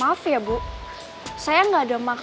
maaf ya bu saya gak ada maksud buat ngelakuin